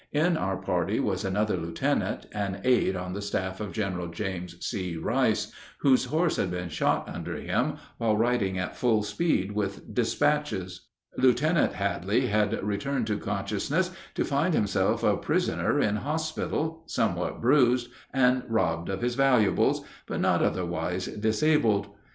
In our party was another lieutenant, an aide on the staff of General James C. Rice, whose horse had been shot under him while riding at full speed with despatches. Lieutenant Hadley had returned to consciousness to find himself a prisoner in hospital, somewhat bruised, and robbed of his valuables, but not otherwise disabled.